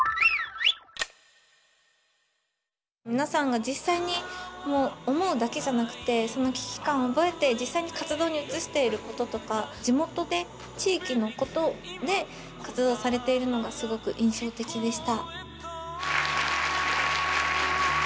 皆さんが実際に思うだけじゃなくてその危機感を覚えて実際に活動に移していることとか地元で地域のことで活動されているのがすごく印象的でした。